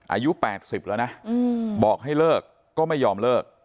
อายุ๘๐แล้วนะบอกให้เลิกก็ไม่ยอมเลิก